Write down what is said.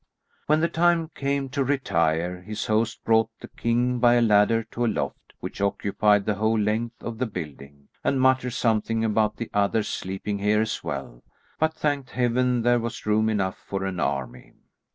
When the time came to retire, his host brought the king by a ladder to a loft which occupied the whole length of the building, and muttered something about the others sleeping here as well, but thanked Heaven there was room enough for an army.